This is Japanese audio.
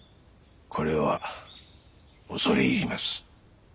これは恐れ入ります。